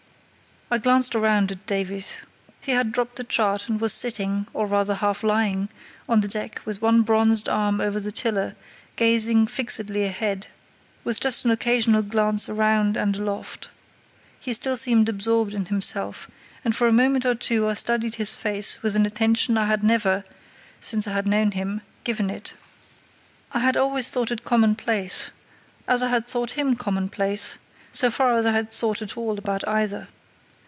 I glanced round at Davies. He had dropped the chart and was sitting, or rather half lying, on the deck with one bronzed arm over the tiller, gazing fixedly ahead, with just an occasional glance around and aloft. He still seemed absorbed in himself, and for a moment or two I studied his face with an attention I had never, since I had known him, given it. I had always thought it commonplace, as I had thought him commonplace, so far as I had thought at all about either.